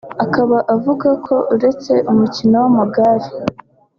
akaba avuga ko uretse umukino w’amagare